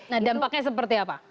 nah dampaknya seperti apa